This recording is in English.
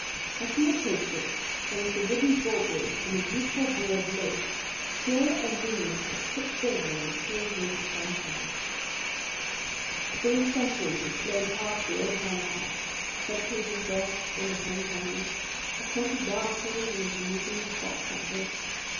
As we approached it, there was the wooden drawbridge and the beautiful broad moat as still and luminous as quicksilver in the cold, winter sunshine. Three centuries had flowed past the old Manor House, centuries of births and of homecomings, of country dances and of the meetings of fox hunters.